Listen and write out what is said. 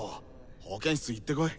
保健室行ってこい。